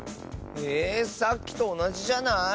えさっきとおなじじゃない？